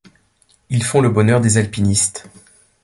Ils font le bonheur des alpinistes.